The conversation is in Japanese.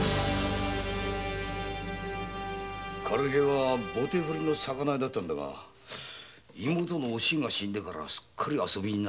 軽平はボテ振りの魚屋だったんだが妹のおしんが死んでから遊び人になっちまってな。